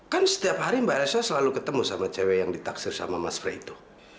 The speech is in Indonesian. kan setiap hari mbak elsa selalu ketemu sama cewek yang ditaksir sama mas freito